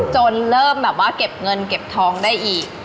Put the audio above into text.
จนเริ่มแบบว่าเก็บเงินเก็บทองได้อีก